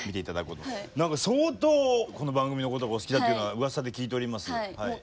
何か相当この番組のことがお好きだというのはうわさで聞いております。